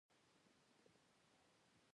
حیوانات ځینې وختونه د خوراک لپاره مبارزه کوي.